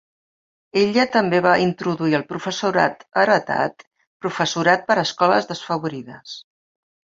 Ella també va introduir el "professorat heretat", professorat per a escoles desfavorides.